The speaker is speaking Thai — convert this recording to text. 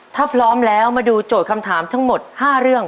ถ้าพร้อมแล้วมาดูโจทย์คำถามทั้งหมด๕เรื่อง